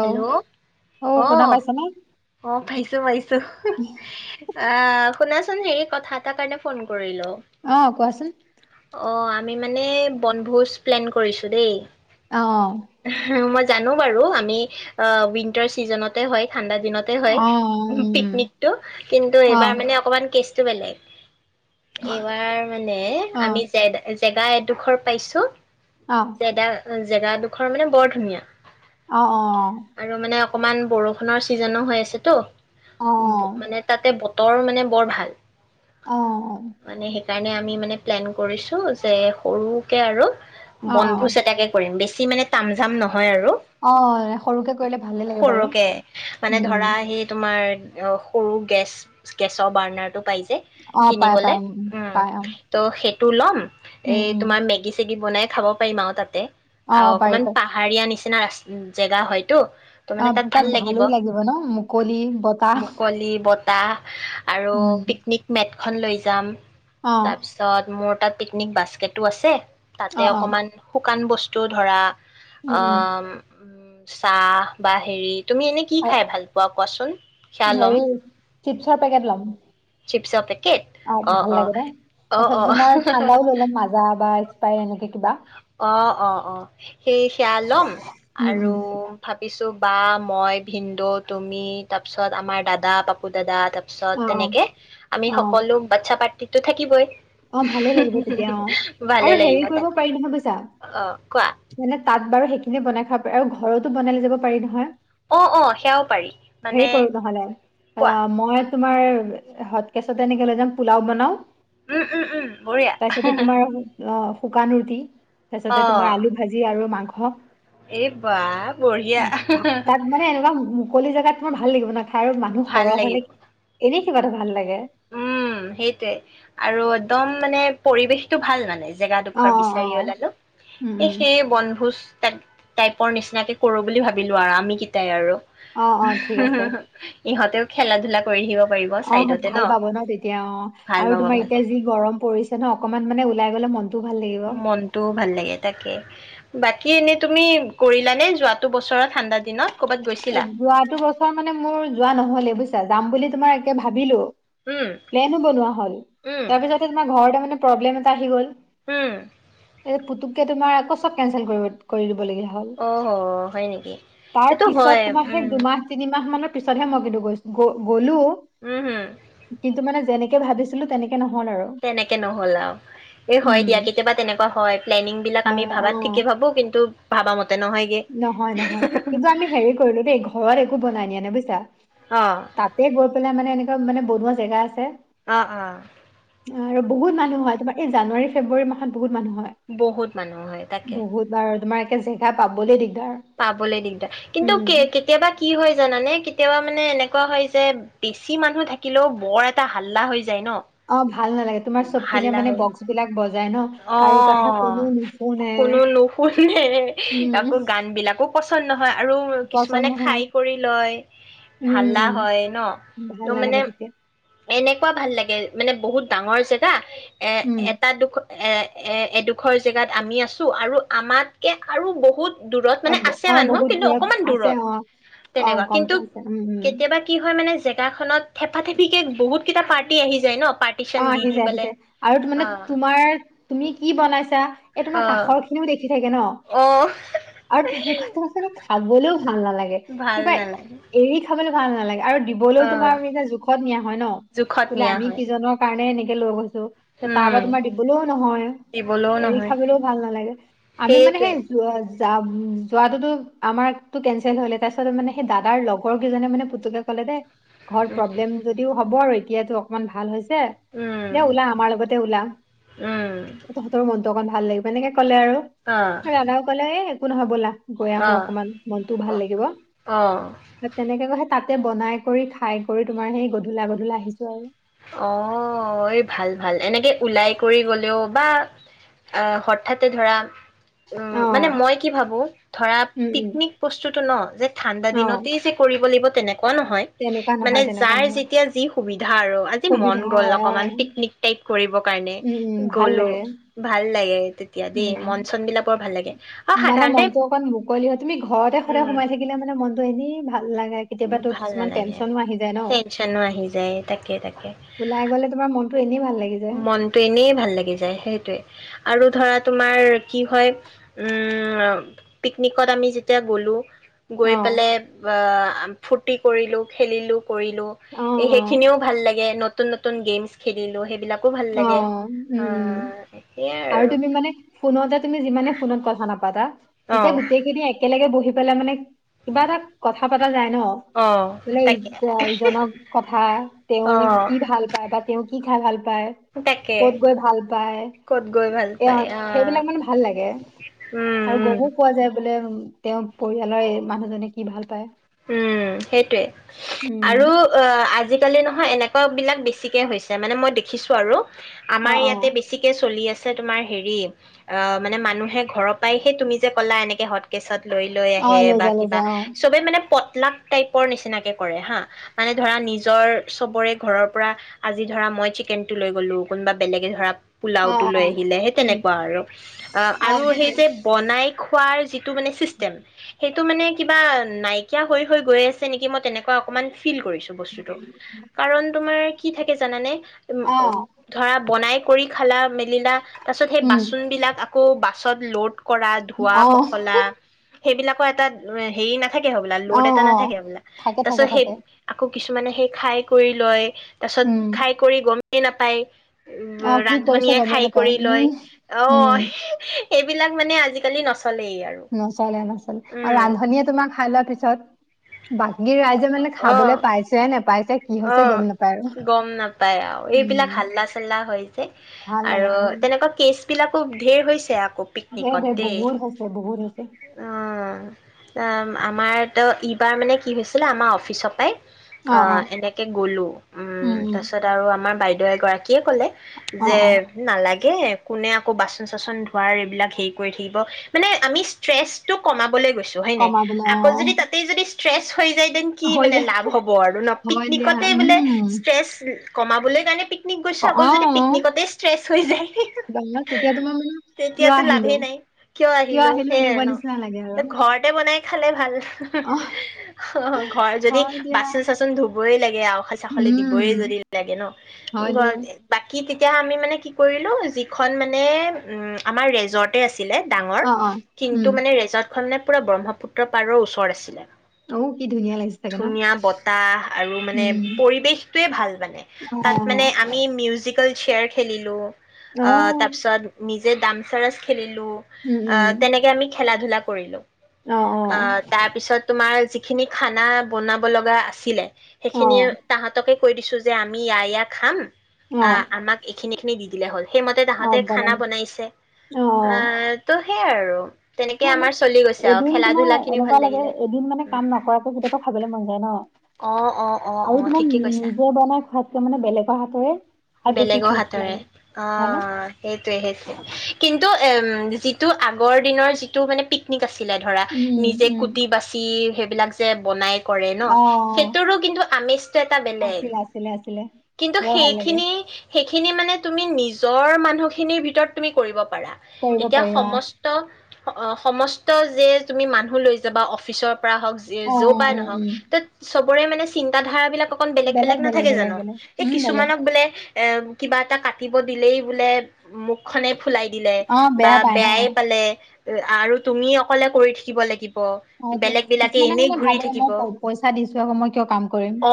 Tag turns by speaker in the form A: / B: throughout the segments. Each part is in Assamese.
A: হেল্ল'
B: অ শুনা
A: অহ,
B: পাইছানে
A: অ', পাইছো পাৰিছো আহ শুনাচোন হেৰি কথা এটাৰ কাৰণে ফোন কৰিলো।
B: অ কোৱাচোন
A: অ'। আমি মানে বনভোজ প্লেন কৰিছোঁ দেই।
B: অ
A: হ মাজ জানো বাৰু আমি অ', উইন্টাৰ চিজনতে হয় ঠাণ্ডা হয়
B: অ উম
A: পিকনিকটো কিন্তু
B: অ
A: এইবাৰ মানে অকমান কেচ ষ্টমেলাই এইবাৰ মানে
B: অ
A: আমি জেগা এডোখৰ পাইছো।
B: অ
A: জেদা জেগাডোখৰ মানে বৰ ধুনীয়া।
B: অ
A: আৰু মানে অকমান বৰষুণৰ ছিজনো হৈ আছেতো।
B: অ অ অ
A: মানে তাতে ব তৰ মানে বৰ ভাল।
B: অ', অ'।
A: মানে সেইকাৰণে আমি মানে প্লেন কৰিছোঁ যে সৰুকৈ আৰু
B: অ
A: বনভোজ এটাকে কৰিম বেছি সি মানে [unintelligible] হয় আৰু
B: অ অ সৰুকে কৰিলে ভালে লাগে বাৰু
A: সৰুকে, মানে
B: উম উম
A: ধৰা আহি তোম মাৰ অ সৰু গেছ- গেছৰ বাৰ্ণাৰ টো পাই যে,
B: অ পাই
A: কিনিবলৈ,
B: পাই
A: উম,
B: পাই অ
A: ত' সেইট টো লম এ,
B: উম উম
A: তোমাৰ মেগী চেগ ই বনাই খাব পাৰিম আৰু তাতে অ
B: পাৰি
A: অকমান
B: পাৰি
A: পাহাৰীয়া নিচিনা নাইচ জেগা হয় ত
B: অ
A: মানে তাত ভাল
B: ভালো
A: লাগিব
B: ন মুকলি বতাহ
A: মুকলি বতাহ আৰু
B: উম
A: পিকনিক মেট খন লৈ যাম
B: অ
A: তাৰ পিছত মোৰ তাত পিকনিক বাস্কেটো আছে তাতে
B: অ অ
A: অকমান শুকান বস্তু ধৰা
B: উম
A: অ
B: উম
A: উম চাহ বা হেৰিত তুমি এনে কি
B: আৰু
A: খাই ভাল পোৱা কোৱাচোন সেয়া ল'ম
B: হেৰি চিপছৰ পেকেট ল'ম
A: চিপছ আপে অ
B: ভাল
A: অ
B: লাগে ন
A: অ
B: তাৰপাছত
A: অ
B: তোমাৰ ঠাণ্ডাও লৈ ল'ম মাজা বা স্প্ৰাইট এনেকে কিবা
A: অ অ অ সেই সেয়া লম
B: উম
A: আৰু
B: উম
A: ভাবিছো বা মই ভিন্দৌ তুমি তাৰ পিছত আমাৰ দাদা পাপু দাদা তাৰাছ পিছত
B: অ
A: তেনেকে আমি
B: অ অ
A: সকলো বাচ্ছা পাৰ্টি তো থাকিবই
B: অ ভালে লাগিব তেতিয়া অ
A: ভালে
B: আৰু
A: লাগিব
B: হেৰি কৰিব
A: তাকে
B: পাৰি নহয় বুইছা
A: অ কোৱা
B: মানে তাত বাৰু সেইখিনিয়ে বনাই খাব পাৰি আৰু ঘৰতো বনালৈ যাব পাৰি নহয়
A: অ অ সেয়াও পাৰি
B: হেৰি
A: মানে
B: কৰো নহ'লে
A: কোৱা
B: আহ, মই তোমাৰ হত কেচতে এনেকে লৈ যাম পোলাও বনাও
A: উম উম উম বঢ়িয়া
B: তাৰপিছতে তোমাৰ অ শুকানূৰ্তি তাৰ
A: অ
B: পাছতে তোমাৰ আলু ভাজি আৰু মাংস হা
A: এই বা বঢ়িয়া
B: তাত মানে এনেকুৱা মুকলি জেগাত মোৰ ভাল লাগিব না তাৰ মানুহ
A: ভাল
B: সৰহ
A: লাগিব
B: হলে এৰি খুব এটা ভাল লাগে
A: উম সেইটোৱে আৰু একদম মানে পৰিৱেশটো ভাল মানে
B: অ
A: জেগাডোখৰ
B: অ অ
A: বিচাৰি ওলালো
B: উম
A: এ
B: উম
A: সেইয়ে বনভোজ তাই টাইপৰ নিচিনাকে কৰোঁ বুলি ভাবিলো আৰু আমি কেইটাই আৰু
B: অ অ ঠিক আছে
A: ইহঁতেও খেলা ধূলা কৰি [unintelligible]
B: অ ভাল পাব ন তেতিয়া তিয়া অ,
A: ভাল
B: আৰু
A: পাব
B: তোমাৰ
A: ভাল
B: এতিয়া
A: পাব
B: যি গৰম পৰিছে নে, অকনমান মানে ওলাই গ'লে মন্ত
A: মনটোও ভাল লাগে, তাকে বাকী এনেই তুমি কৰিলানে যোৱাটো বছৰ ঠাণ্ডা দিনত কৰ'বাত গৈছিলা?
B: যোৱাটো বছৰ মানে মোৰ যোৱা নহলে বুইছা? যাম বুলি তোমাৰ একে ভাবিলোঁ
A: উম,
B: প্লেনো বনোৱা হ'ল
A: উম,
B: তাৰ পিছতে তোমাৰ ঘৰ ত মানে প্ৰব্লেম এটা আহি গ'ল
A: উম
B: কে তোমাৰ আকৌ চব কেঞ্চেল কৰি কৰি দি
A: অ' হ, হয় নেকি?
B: তাৰ
A: এইটো
B: পিছত
A: হয়
B: তোমাৰ সেই
A: উম,
B: দুমাহ তিনিম মাহ মানৰ পিছতহে মই কিন্তু গৈছ গ'লো
A: উম, হম,
B: কিন্তু মানে যেনেক ভাবিছিলো তেনেক
A: তেনেকে নহ'ল, আৰু এই হয়,
B: উম
A: দিয়া কেতিয়াবা তেনেকুৱা হয়, প্লেনিং বিলাক আমি
B: হয় অ
A: ভাবাত ঠিকে ভাবো কিন্তু ভাব মতে নহয়গে।
B: নহয়, নহয় কিন্তু আমি হেৰি কৰিলো দেই ঘৰত একো বনাই নিয়া নাই বুইছা
A: অ',
B: তাতে গৈ পেলাই মানে এনে ব মানে বনুৱা জেগা আছে।
A: অহ, অ'।
B: আৰু বহুত মানুহ হয়, তোমাৰ এই‌ জানুৱাৰী, ফেব্ৰুৱাৰী মাহত বহুত মানুহ‌ হয়,
A: বহুত মানুহ হয় তাকে।
B: বহুত বাৰ তোমাৰ জেগা পাবলৈ দি
A: পাবলৈ দিগদাৰ কিন্তু কে কেতিয়াবা কি হয়, জানানে? কেতিয়াবা মানে এনেকুৱা হয় যে বেছি মানুহ থাকিলেও বৰ এটা হাল্লা হৈ যায় ন
B: অ' ভাল নালাগে তোমাৰ চব পিনে
A: হাল্লা
B: মানে
A: হয়,
B: বক্স বিলাক বজাই ন কাৰো কথা
A: অ',
B: কোনো নুশুনে
A: কোনো নুশুনে
B: উম
A: আকৌ গান বিলাকো পচন্দ নহয়, আৰু কিছুমানে
B: পচন্দ নহয়
A: খাই কৰি লয় হাল্লা
B: উম
A: হয়, ন?
B: ভাল
A: ত' মানে
B: নালাগে তেতিয়া
A: এনেকুৱা ভাল লাগে মানে বহুত ডাঙৰ জেগা এ
B: উম
A: এটা দুখ এ এ এডোখৰ জেগাত আমি আছো আৰু আমাতকে আৰু বহুত দূৰত
B: অ
A: মানে
B: ব-
A: আছে
B: অ
A: মানুহ
B: বহুত
A: কিন্তু
B: দূৰত
A: অকমান
B: আছে
A: দূৰত
B: অ অ
A: তেনেকুৱা কিন্তু
B: কমকে আছে উম উম
A: কেতিয়াবা কি হয়, মানে জেগাখনত থেপাথেপি কে বহুত কেইটা পাৰ্টি আহি যায় ন [unintelligible]
B: অ',
A: দি
B: আহি
A: দি
B: যায় আহি
A: পেলাই
B: যায় আৰু মানে
A: অ
B: তোমাৰ তুমি কি বনাইছা এই তোমাৰ
A: অ
B: কাষৰ খিনিও দেখি থাকে ন
A: অ
B: আৰু তেনেকু [unintelligible] [unintelligible] ভাল নালাগে,
A: ভাল
B: কিবা
A: নালাগে
B: এৰি খাবলৈ ভাল নালাগে, আৰু দিবলৈও
A: অ
B: তোমাৰ [unintelligible] জোখত নিয়া হয় ন,
A: জোখত
B: বোলে
A: নিয়া
B: আমি
A: হয়
B: কিজনক আনে এনেকে লৈ গ'ল ত' তাৰ
A: উম
B: পৰা তোমাৰ দিবলৈও নহয়,
A: দিবলৈও
B: এৰি
A: নহয়
B: খাবলৈও ভাল নালাগে। আমি মানে
A: সেইটোৱে
B: সেই যাম-যোৱাতটোতো আমাৰতটো কেনচেল হ'ল, এতিয়া তাৰপিছত মানে সেই দাদাৰ লগৰ কেইজনে মানে পুতুকে ক'লে দেই ঘৰ
A: উম
B: প্ৰব্লেম যদিও হ'ব আৰু এতিয়াতো অকমান ভাল হৈছে।
A: উম
B: যে ওলা আমাৰ লগতে ওলা,
A: উম
B: তহঁতৰ মন তক ভাল লাগিব এনেকে ক'লে আৰু
A: অ
B: ৰাধাও ক'লে এ কোন হ'বলা। গৈ আহো অকনমান মনতও ভাল
A: অ
B: লাগিব,
A: অ
B: তেনেকে কৈ [unintelligible] তাতে বনাই কৰি খাই কৰি তোমাৰ সেই গধূলা গধূলা আহিছোঁ আৰু।
A: অহ, ভাল ভাল। এনেকে ওলাই কৰি গলেও বা আহ হঠাতে ধৰা উম,
B: অ
A: মানে মই কি ভাবো ধৰা
B: উম উম
A: পিকনিক বস্তুতটো ন যে ঠাণ্ডা
B: অ
A: দিনতেই যে কৰিব লাগিব ক নহয়,
B: তেনেকুৱা
A: মানে
B: নহয় তেনেকুৱা
A: যাৰ
B: নহয়
A: যেতিয়া যি সুবিধা আৰু। মন
B: সুবিধা
A: গল
B: হয় অ
A: অকমান পিকনিক টাইপ কৰিব কাৰণে
B: উম উম ভাল
A: গ'লো
B: লাগে
A: ভাল লাগে। তেতিয়া দেই মন
B: উম
A: চন বিলাকৰ ভাল লাগে। আৰু
B: মানে
A: সাধাৰণতে
B: মনটো অকন মুকলি হয় তুমি ঘৰতে সদায়
A: উম
B: সোমাই থাকিলে মানে মন এ ভাল ভাল লাগে কেতিয়াবো
A: ভাল
B: কিছুমান
A: নালাগে
B: টেনচনো আহি যায় ন'
A: টেনচনো আহি যায় তাকে তাকে
B: ওলাই গ'লে তোমাৰ মনতটো এনেই ভাল লাগি যায়
A: মনটো এনেই ভাল লাগি যায় সেইটোৱে। আৰু ধৰা তোমাৰ কি হয় উম, পিকনিকত আমি যেতিয়া গ'লো গৈ
B: অ
A: পেলাই অহ ফূৰ্তি কৰিলোঁ খেলিলোঁ। কৰিলো
B: অ
A: এ
B: অ
A: সেইখিনিও ভাল লাগে ন নতুন নতুন গেমছ খেলিলো সেইবিলাক
B: অ', উম, আৰু তুমি মানে ফোনতে তুমি যিমানে ফোনত কথা নাপাতা
A: অ
B: এতিয়া গোটেই খিনি একে একলেগে বহি পেলাই মানে কিবা এটা কথা পা যায় ন,
A: অ
B: বোলে
A: তাকে
B: ইজ-অহ ইজনক কথা তেওঁ
A: অ
B: কি ভাল পায় বা তেওঁ কি খাই ভাল পায়।
A: তাকে
B: কত গৈ ভাল পাই,
A: ক'ত গৈ ভাল
B: এ
A: পায় অ
B: সেইবিলাক মানে ভাল লাগে
A: উম
B: আৰু
A: উম
B: গমো পোৱা যায় বোলে তেওঁৰ পৰিয়ালৰ এই মানুহজনে কি ভাল পায়।
A: উম, সেইটোৱে।
B: উম
A: আৰু অহ, আজি আজিকালি নহয় এনেকুৱাবিলাক বেছিকৈ হৈছে মানে মই দেখিছোঁ আৰু।
B: অ
A: আমাৰ
B: অ
A: ইয়াতে বেছিকে চলি আছে। চে তোমাৰ হেৰি অহ, মানে মানুহে ঘৰৰ পৰাই সেই তুমি যে ক'লা এনেকে হট কেচত লৈ লৈ
B: অ
A: আহে বা
B: যা লৈ
A: কিবা
B: যা অ
A: সবে মানে পটলাগ টাইপৰ নিচিনাকে কৰে হা, মানে ধৰা নিজৰ সবৰে ঘৰৰ পৰা আজি ধৰা মই চিকেনটো লৈ গ'লো কোনোবা বেলেগে ধৰা
B: অ
A: পোলাওতটো
B: অ
A: লৈ আহিলে সেই
B: উম
A: তেনেকুৱা আৰু। অহ,
B: অ
A: আৰু সেই
B: সেইটোৱে
A: যে বনাই খোৱাৰ যি টো মনে চিষ্টেম সেইটো মানে কিবা নাইক কীয়া হৈ হৈ গৈ আছে নেকি মই তেনেকুৱা অকমান ফীল কৰিছোঁ বস্তুটো, কাৰণ তোমাৰ কি থাকে জানানে? উম,
B: অ
A: উম, ধৰা বনাই কৰি খালা মেলিলা, তাৰ পিছত সেই
B: উম
A: বাচনবিলাক আকৌ সব ল'ড কৰা
B: অ
A: ধোৱা-পখলা সেইবিলাক কোৱা তাত এহ, হেৰি নাথাকে বলা
B: অ
A: ল'ড এটা
B: অ
A: নাথাকে হবলা,
B: থাকে
A: তাছত
B: থাকে
A: সেই
B: থাকে
A: আকৌ কিছুমানে সেই খাই কৰি লয় তাৰছত
B: উম
A: খাই কৰি গম এই নাপায়
B: অ কি কৰিছে
A: ৰান্ধনীয়ে
B: গমেই
A: খাই
B: নাপায়
A: কৰি লয়,
B: উম উম
A: অ' এইবিলাক মানে আজিকালি নচ
B: নচলে নচলে, আৰু ৰান্ধনীয়ে তোমাৰ খাই লোৱাৰ পিছ ছত বাকী ৰাইজে মানে
A: অ'
B: খাবলৈ পাইছে, নেপাইছে
A: অ', গম নাপায় আৰু, এইবিলাক
B: উম
A: হাল্লা চাল্লা হয় যে,
B: ভাল
A: আৰু
B: নালাগে
A: তেনেকুৱা কেচ [unintelligible] ঢেৰ হৈছে আ
B: হেই দেেই বহুুৰ হছে বহুুৰ হছে
A: অ', তাম আমাৰতো ইবাৰ মানে কি হৈছিলে, আমাৰ অফিচৰ পাই অ', এনেকে গলোঁ, উম, তাৰছত আৰু আমাৰ বাইদ ৰাক িয় কলে
B: অ
A: যে
B: অ
A: নালাগে ে কোনে আকৌ বাচন চাচন ধোৱাৰ এইবিলাক হেৰি কৰি থাকিব মানে আমি ষ্ট্ৰেছটো কমাবলৈ গৈ ছো, হয় নাই?
B: কমাবলে অ
A: আকৌ যদি তাতেই যদি ষ্ট্ৰেছ থৈ যায়, দেন কি
B: হয়
A: মানে
B: দে
A: লাভ হ'ব আৰু ন?
B: হয় দিয়া
A: পিকনিকতে বোলে
B: উম
A: ষ্ট্ৰেছ কমাবলৈ কাৰণে প পিকনিক গৈছো
B: অ
A: আকলৌ যদি
B: অ
A: পিকনিকতে ষ্ট্ৰেচ হৈ যায়
B: জংঘল তেতিয়া তোমাৰ মানে
A: তেতিয়াতো লাভেই নাই কিয় আহিলো সেইয়াই
B: এলেহুৱা
A: ন
B: নিচিনা লাগে আৰু।
A: ঘৰতে বনাই খালে ভাল
B: অ
A: অহ, ঘৰ যদি
B: হয় দিয়া
A: বাচন-চাচন ধুব বই লাগে আ খ চা খলি দিবই
B: উম
A: যদি লাগে ন
B: হয় দিয়া
A: ঘৰত বাকী কি তেতিয়া আমি মানে কি কৰিলোঁ যিখন মানে উ আমাৰ ৰেজৰ্টে আছে দিলে ডাঙৰ
B: অ অ
A: কিন্তু
B: উম
A: মানে ৰেজ খনে পুৰা ব্ৰহ্মপুত্ৰৰ পাৰৰ ওচৰত আছিলে
B: অ কি ধুনীয়া লাগিছে চাগে ন?
A: ধুনীয়া বতাহ আৰু মানে
B: উম।
A: পৰিৱেশটোৱে ভাল মানে তাত মানে
B: অ',
A: আমি মিউজিক কল চেয়াৰ খেলিলোঁ। অহ,
B: অ',
A: তাৰ পিছত নি যে দামচাৰছ খেলিলে লো
B: উম, উম,
A: অহ খেলা-ধূলা কৰিলোঁ। অ তাৰপিছত তোমাৰ খিনি খানা বনাব লগা আছিলে
B: অ',
A: সেইখিনিয়ে
B: অ',
A: তাহাঁতকে কৈ দিছো যে আমি ইয় ইয়া খাম
B: অ',
A: আ-আমাক সিনিখি দি দিলে হয় সেইমতে তাহাঁতে
B: অ',
A: খানা
B: বনাই
A: বনাইছে আহ ত সেয় আৰু আৰু তেনেকে
B: সে
A: আমাৰ
B: আাক
A: চলি গৈছে
B: এদিন
A: খেলা
B: তোমাৰ
A: ধূলা খিনি ভাল
B: এনেকুৱা লাগে
A: লাগিলে।
B: এদিন মানে কাম নকৰাকে কেতিয়কা খাবলৈ মন ন না
A: অ', অ', অ',
B: আৰু
A: অ',
B: তোমাক
A: ঠিকেই কৈছা।
B: নিজে বনাই খাত মানে বেলেগৰ হাতেৰে খাই বেছি
A: বেলেগৰ
B: টেষ্ট
A: হাতৰে
B: লাগে
A: অ
B: হয়নে?
A: সেইটোোৱে সেইটোোৱে কিন্তু যিটো আগৰ দিনৰ যিটো মানে পিকনিক আছে ছিলে ধৰা
B: উম,
A: নিজে
B: উম।
A: কুটি বাচি বিলাক যে বনাই কৰে ন
B: অ',
A: সেইটোৰো কিন্তু আমেজটো এটা বেলেগ
B: আছিলে, আছিলে, আছিলে
A: কিন্তু
B: বৰ
A: সেই
B: ভাল লাগে
A: খিনিয়ে সেইিন িনি মানে তুমি নিজৰ মানুহখিনিৰ ভিতৰত তুমি কৰিব প প
B: কৰিব
A: এতিয়া
B: পাৰি অ',
A: সমস্ত অ সমস্ত যে তুমি মানুহ লৈ যাবা অফিচৰ
B: অ', উম, উম,
A: ন চবৰে মানে চিন্তাধাৰাবিলাক অকন বেলেগ বেলেগ নাথাকে
B: বেলেগ,
A: জানো
B: বেলেগ
A: এই
B: উম, বেলেগ
A: কিছুমানক এ কিবা এটা কাটিব দিলেই বোলে মুখখনে খুলাই দিলে
B: অ',
A: বা
B: বেয়া পায় ন?
A: বেয়াই পালে আৰু তুমি অকলে কৰি থাকিব লাগিব
B: সেইটোয়ে
A: বেলেগ বিলাকে
B: কিছুমানে
A: এনেই
B: মানে
A: ঘূৰি
B: ভাবে মই
A: থাকিব
B: প পইচা দিছো আকৌ মই কিয় কাম কৰিম
A: অ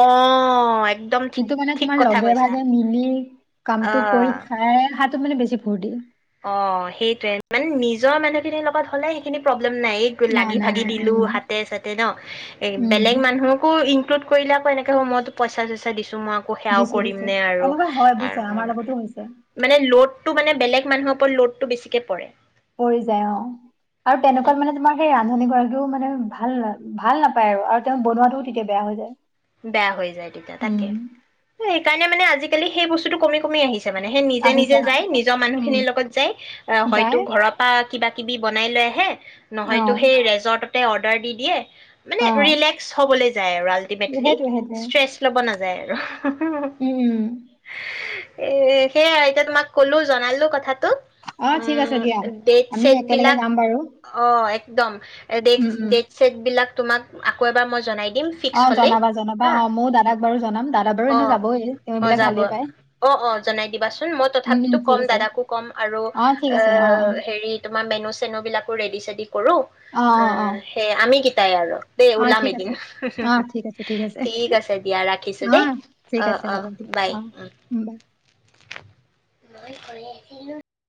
A: একদম িক
B: কিন্তু মানে
A: ঠিক
B: তোমাৰ
A: কথা
B: লগে
A: কৈছা
B: ভাগে মিলি কামটো কৰি
A: অ',
B: খাই হাত মান বেি ভৰ দিিল
A: অ সেইটোযৱে মানে নিজৰ মানুহখিনিৰ লগত হ'লে সেইখিন নাই এই
B: নাই
A: লাগি
B: নাই
A: ভাগি
B: নাই
A: দিলো
B: উম
A: হাতে চাতে ন এ
B: উম
A: বেলেগ মানুহকো লো কৰি আক এনেক একে সময়তো পইচা চইচা দিছো মই আকৌ সেয়াও
B: দিছো
A: কৰিম
B: দিছো
A: নে আৰু
B: এনেকুৱা হয় বুজিছা
A: আৰু
B: আমাৰ লগতো হৈছে
A: মানে লড ত মানে বেলেগ মানুহৰওপ লোডটো বেছিকে পৰে
B: পৰি যায় অ আৰু তেনেকুৱাত
A: তাকে
B: মানে তোমাৰ সেই ৰান্ধনী গৰাকীও মানে ভাল ন ভাল নাপায় আৰু আৰু তেওঁ বনোৱাাতটোও তেতিয়া বেয়া হৈ যায়
A: বেয়া হৈ যায় তেতিয়া
B: উম
A: তাকে স কাৰণোনে আজিকালি সেই বস্তুটো কমি কমিছে মানে সেই নিজে
B: আহিছে
A: নিজে
B: আহিছে
A: যাই নিজৰ মানুহ
B: উম
A: খিনিৰ লগত যাই আহ হয়তো
B: যায়
A: ঘৰৰ পৰা কিবা কিবি বনাই লৈ আহে
B: অ
A: নহয়তো সেই ৰেজৰ্ট ততে অৰ্ডাৰ দি দিয়ে মানে
B: অ
A: ৰিলেক্স হ'বলৈ ৰাল
B: [unintelligible] [unintelligible]
A: যায় আৰু
B: উম
A: এ সেয়াই এতিয়া তোমাক ক'লো জনালো কথা
B: অ ঠিক আছে দিয়া আমি
A: চেট
B: একেলগে
A: বিলাক
B: যাম বাৰু
A: অ একদম ড ডেট
B: উম, উম।
A: চছেট বিলাক তোমাক আকৌ এবাৰ মই জনাই দি ডিম ফিক্স
B: অ',
A: হ'লে
B: জনাবা জনাবা।
A: হা
B: অ', ময়ো দাদাক বাৰু জনাম। দাদা বাৰু
A: অ
B: এনেও যাবই, তেওঁ
A: অ
B: এইবিলাক
A: যাব
B: ভালেই পায়।
A: অ অ জনাই দিবাচোন মই
B: উম, উম,
A: তথাপিতো
B: ঠিক
A: কম
B: আছে।
A: দাদাকো কম আৰু
B: ঠিক
A: অ
B: আছে। অ'।
A: হেৰি তোমাৰ মেনু চেনু বিলাকো ৰেডি চেডি কৰো অ স আমি কিেইটাই আৰু দে ওল
B: অ', ঠিক আছে।
A: মেদিন
B: অ', ঠিক আছে, আছে।
A: ঠিক আছে দিয়া ৰাখিছো দেই
B: অ', ঠিক
A: অ
B: আছে
A: অ
B: হ'ব দিয়া।
A: বাই
B: অ', উম, বাই।
A: উ হয়েই